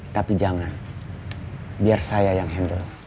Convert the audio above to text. tapi jangan biar saya yang handle